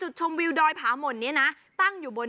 สุดยอดน้ำมันเครื่องจากญี่ปุ่น